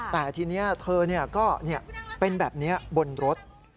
แต่ทีนี้เธอก็เป็นแบบนี้บนรถ